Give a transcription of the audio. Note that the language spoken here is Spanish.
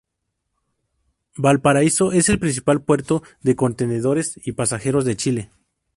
Valparaíso es el principal puerto de contenedores y pasajeros de Chile.